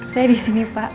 saya disini pak